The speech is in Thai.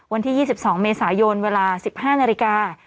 วันที่๒๒เมษายนเวลา๑๕นาฬิกา